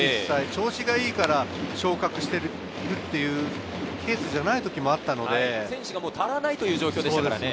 調子がいいから昇格している、そういうケースじゃない時もあっ選手が足らないという状況でしたからね。